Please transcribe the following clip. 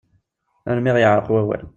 Armi ɣ-yeεreq wawal.